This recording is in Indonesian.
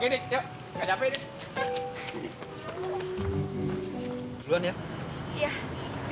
katanya mau ngajak aku ngedate